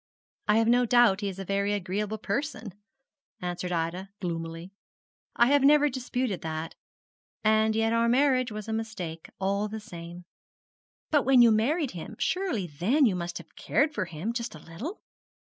'I have no doubt he is a very agreeable person,' answered Ida, gloomily. 'I have never disputed that. And yet our marriage was a mistake, all the same.' 'But when you married him, surely then you must have cared for him, just a little?'